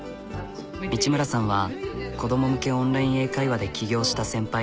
道村さんは子供向けオンライン英会話で起業した先輩。